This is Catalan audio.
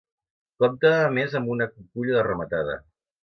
Compte a més amb una cuculla de rematada.